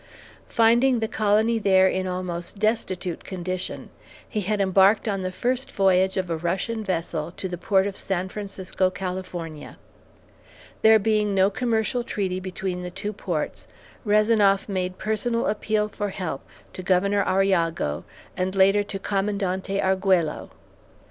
Finding the colony there in almost destitute condition, he had embarked on the first voyage of a Russian vessel to the port of San Francisco, California. There being no commercial treaty between the two ports, Rezanoff made personal appeal for help to Governor Arrillago, and later to Commandante Arguello.